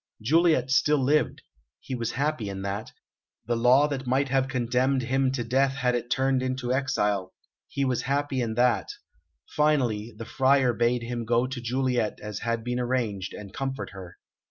Juliet still lived he was happy in that; the law that might have condemned him to death had turned it into exile he was happy in that; finally, the Friar bade him go to Juliet as had been arranged, and comfort her.